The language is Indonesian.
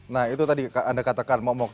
nah itu tadi anda katakan momok